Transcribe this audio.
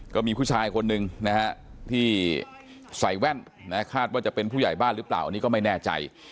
ก็มีผู้ชายคนหนึ่งนะฮะที่ใส่แว่นคาดว่าจะเป็นผู้ใหญ่บ้านหรือเปล่าอันนี้ก็ไม่แน่ใจ